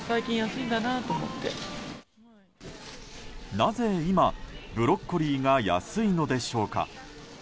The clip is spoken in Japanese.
なぜ今、ブロッコリーが安いのでしょうか。